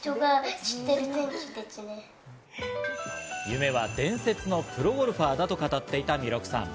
夢は伝説のプロゴルファーだと語っていた弥勒さん。